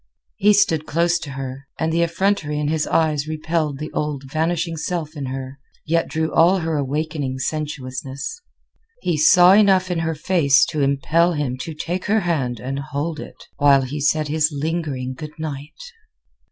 He stood close to her, and the effrontery in his eyes repelled the old, vanishing self in her, yet drew all her awakening sensuousness. He saw enough in her face to impel him to take her hand and hold it while he said his lingering good night.